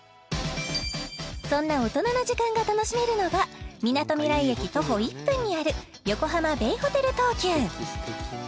そんな大人な時間が楽しめるのがみなとみらい駅徒歩１分にある横浜ベイホテル東急